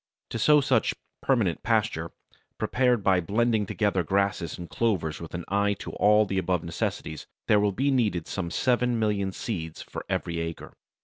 To sow such "permanent pasture," prepared by blending together grasses and clovers with an eye to all the above necessities, there will be needed some seven million seeds for every acre.